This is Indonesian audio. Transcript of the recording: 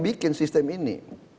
di atasjestri nongkoi ini